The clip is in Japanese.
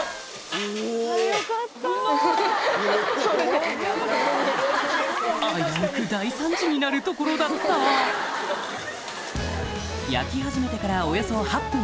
あやうく大惨事になるところだった焼き始めてからおよそ８分